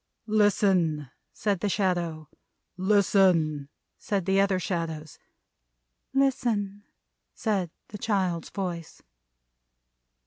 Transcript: "Listen!" said the Shadow. "Listen!" said the other Shadows. "Listen!" said the child's voice.